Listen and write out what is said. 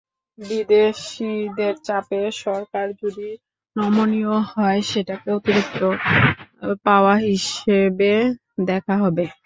বিদেশিদের চাপে সরকার যদি নমনীয় হয়, সেটাকে অতিরিক্ত পাওয়া হিসেবে দেখা হবে।